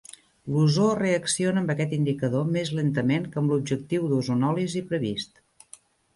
L'ozó reacciona amb aquest indicador més lentament que amb l'objectiu d'ozonòlisi previst.